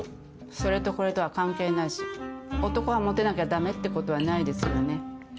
それとこれとは関係ないし男はモテなきゃ駄目ってことはないですよね。